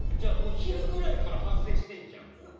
昼ぐらいから反省してんじゃん。